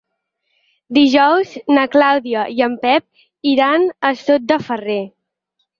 Dijous na Clàudia i en Pep iran a Sot de Ferrer.